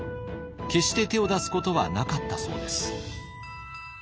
決して手を出すことはなかったそうです。